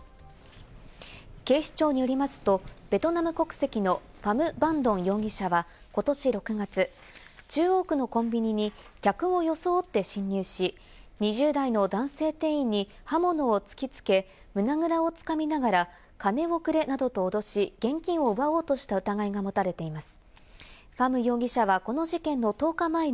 警視庁によりますと、ベトナム国籍のファム・バン・ドン容疑者はことし６月、中央区のコンビニに客を装って侵入し、２０代の男性店員に刃物を突きつけ、胸ぐらをつかみながら、金をくれなどと脅し、現金を奪おうとした疑いが持たれています。